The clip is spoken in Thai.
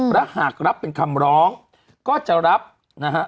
และหากรับเป็นคำร้องก็จะรับนะฮะ